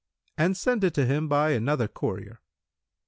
And send it to him by another courier."